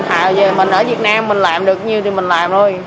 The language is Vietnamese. thà mình ở việt nam mình làm được như mình làm thôi